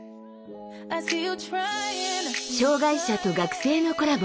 障害者と学生のコラボ